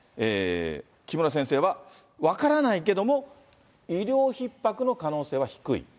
木村先生は、分からないけども、医療ひっ迫の可能性は低い。